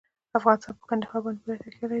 افغانستان په کندهار باندې پوره تکیه لري.